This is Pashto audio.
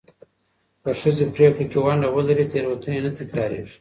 که ښځې پرېکړه کې ونډه ولري، تېروتنې نه تکرارېږي.